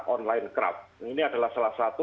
online craft ini adalah salah satu